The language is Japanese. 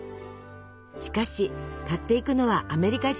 しかし買っていくのはアメリカ人ばかり。